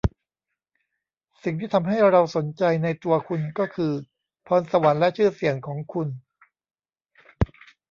สิ่งที่ทำให้เราสนใจในตัวคุณก็คือพรสวรรค์และชื่อเสียงของคุณ